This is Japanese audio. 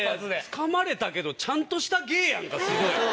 ツカまれたけどちゃんとした芸やんかすごい。